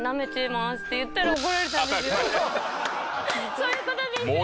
そういうことですよね？